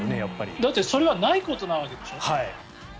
だってそれはないことなわけでしょ。